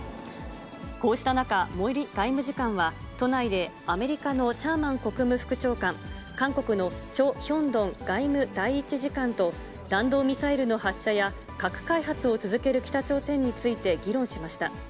こうした中、森外務次官は都内でアメリカのシャーマン国務副長官、韓国のチョ・ヒョンドン外務第１次官と弾道ミサイルの発射や、核開発を続ける北朝鮮について議論しました。